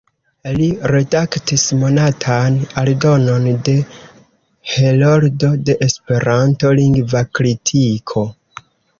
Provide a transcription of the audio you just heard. Li redaktis monatan aldonon de "Heroldo de Esperanto: Lingva Kritiko.